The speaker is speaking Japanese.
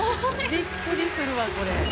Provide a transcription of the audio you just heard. びっくりするわこれ。